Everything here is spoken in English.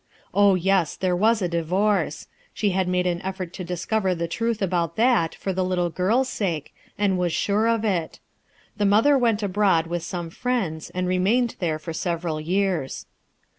Oh, yes, there was a divorce ; she had made an effort to discover the truth about that, for the little girl's sake, and was sure of it. The mother went abroad with some friends and remained there for several years.